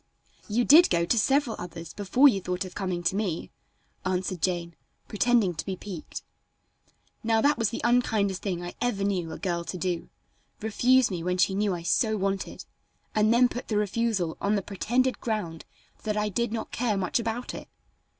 "You did go to several others before you thought of coming to me," answered Jane, pretending to be piqued. Now that was the unkindest thing I ever knew a girl to do refuse me what she knew I so wanted, and then put the refusal on the pretended ground that I did not care much about it.